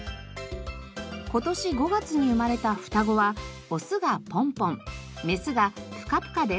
今年５月に生まれた双子はオスがぽんぽんメスがぷかぷかです。